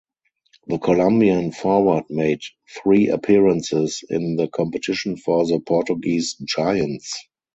The Colombian forward made three appearances in the competition for the Portuguese giants.